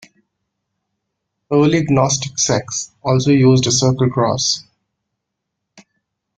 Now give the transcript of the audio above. Early Gnostic sects also used a circle cross.